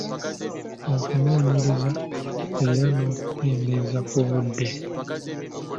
Okunoonyereza era n’okukendeeza ku budde.